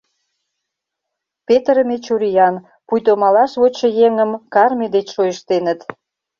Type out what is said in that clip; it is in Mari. Петырыме чуриян, пуйто малаш вочшо еҥым карме деч шойыштеныт.